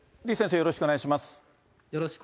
李先生、よろしくお願いします。